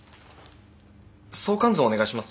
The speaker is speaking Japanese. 相関図をお願いします。